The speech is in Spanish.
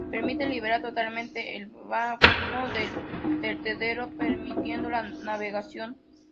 Permite liberar totalmente el vano del vertedero, permitiendo la navegación.